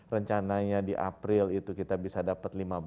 rencananya di april itu kita bisa dapat lima belas